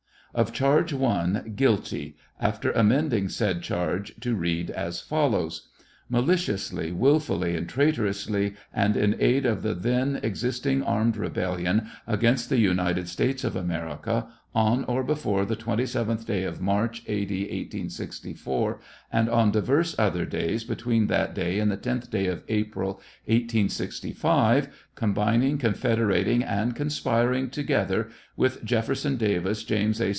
Of charge I, " guilty," after amending said charge to read as follows : Maliciously, wilfully and traitorously, and in aid of the then existing armed rebellion against the United States of America, on or before the 27th day of March, A. D. 1S64, and on divers other days between that day and the tenth day of April, 1865, combining, confederating and conspiring together with Jef ferson Davis, James A.